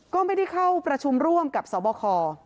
ก็ไม่ได้เข้าประชุมร่วมกับสบค